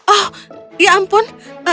oh ya ampun